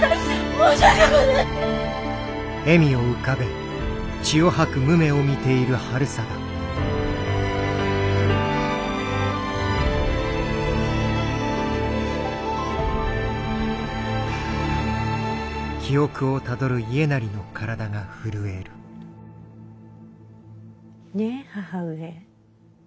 申し訳ござい！ねぇ母上。